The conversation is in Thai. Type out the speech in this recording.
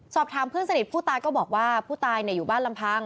สอบถามเพื่อนสนิทผู้ตายก็บอกว่าผู้ตายอยู่บ้านลำพัง